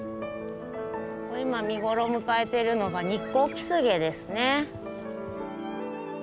今見頃を迎えてるのがニッコウキスゲですね。